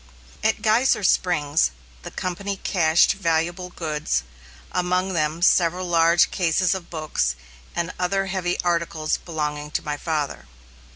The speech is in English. At Geyser Springs, the company cached valuable goods, among them several large cases of books and other heavy articles belonging to my father.